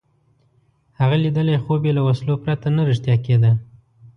هغه لیدلی خوب یې له وسلو پرته نه رښتیا کېده.